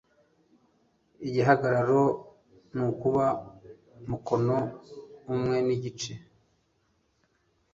igihagararo nukuba mukono umwe n igice